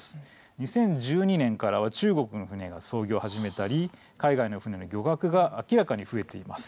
２０１２年からは中国の船が操業を始めたり海外の船の漁獲が明らかに増えています。